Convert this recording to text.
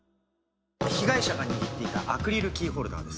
被害者が握っていたアクリルキーホルダーです。